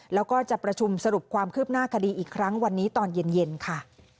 แล้วก็จะประชุมสรุปความคืบหน้าคดีอีกครั้งวันนี้ตอนเย็นค่ะ